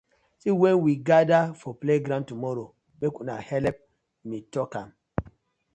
See wen we gather for playground tomorrow mek una helep me tok am.